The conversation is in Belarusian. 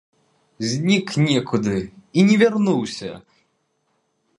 Знік некуды і не вярнуўся.